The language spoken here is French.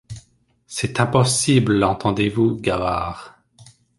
C’est impossible, entendez-vous, Gavard !